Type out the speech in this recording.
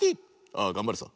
「ああがんばるさ」。